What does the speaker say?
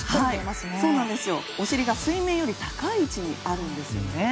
お尻が水面より高い位置にあるんです。